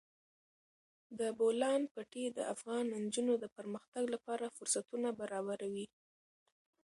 د بولان پټي د افغان نجونو د پرمختګ لپاره فرصتونه برابروي.